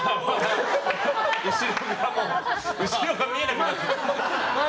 後ろが見えなくなってる。